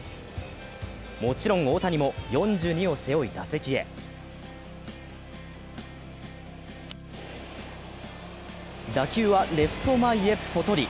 もちろん大谷も４２を背負い、打席へ打球はレフト前へポトリ。